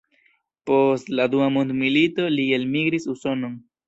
Post la dua mondmilito li elmigris Usonon.